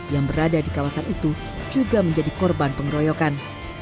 yang berada di kawasan itu juga menjadi korban pengeroyokan